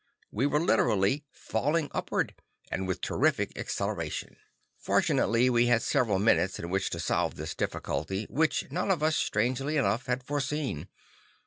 We were literally falling upward, and with terrific acceleration. Fortunately, we had several minutes in which to solve this difficulty, which none of us, strangely enough, had foreseen.